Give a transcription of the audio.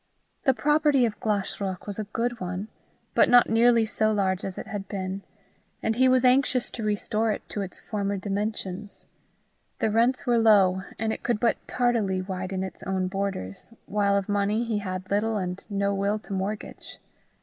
The property of Glashruach was a good one, but not nearly so large as it had been, and he was anxious to restore it to its former dimensions. The rents were low, and it could but tardily widen its own borders, while of money he had little and no will to mortgage.